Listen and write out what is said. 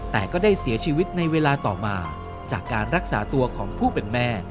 แต่ก็ได้เสียชีวิตในเวลาต่อมาจากการรักษาตัวของผู้เป็นแม่